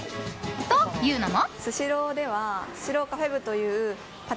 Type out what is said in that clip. というのも。